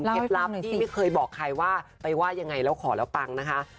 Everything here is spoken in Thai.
ลับที่ไม่เคยบอกใครว่าไปว่ายังไงแล้วขอแล้วปังนะคะ